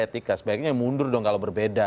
etika sebaiknya mundur dong kalau berbeda